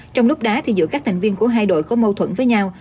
trong lúc đá thì giữa các thành viên của hai đội có mâu thuẫn với nhau